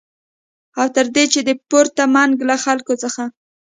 او تر دې د پورته منګ له خلکو څخه